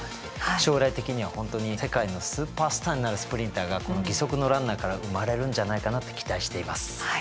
将来的にはほんとに世界のスーパースターになるスプリンターがこの義足のランナーから生まれるんじゃないかなって期待しています。